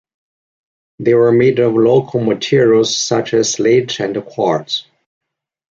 They were made of local materials such as slate and quartz.